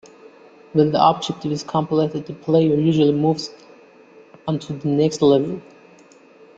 When the objective is completed, the player usually moves on to the next level.